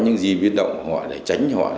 những gì biến động họ để tránh họ